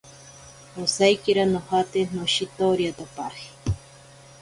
Osaikira nojate noshitoriatapaje.